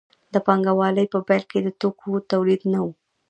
د پانګوالۍ په پیل کې د توکو تولید نه و.